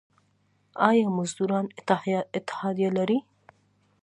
آیا مزدوران اتحادیه لري؟